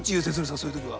そういう時は。